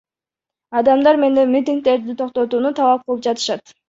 Адамдар менден митингдерди токтотууну талап кылып жатышат.